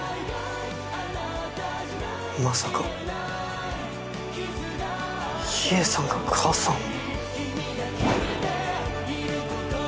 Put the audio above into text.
まさか秘影さんが母さんを。